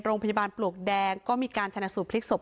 โรงพยาบาลปลวกแดงก็มีการชนะสูตรพลิกศพ